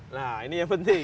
nah ini yang penting